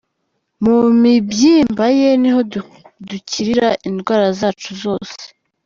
Mu mibyimba ye niho dukirira indwara zacu zose.